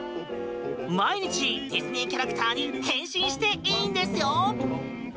毎日、ディズニーキャラクターに変身していいんですよ。